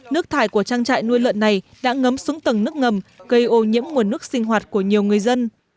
nước thải của trang trại nuôi lợn này đã ngấm xuống tầng nước ngầm gây ô nhiễm nguồn nước sinh hoạt của nhiều người dân